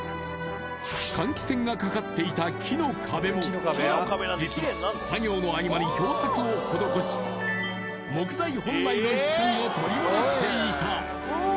換気扇がかかっていた木の壁も実は作業の合間に漂白を施し木材本来の質感を取り戻していた！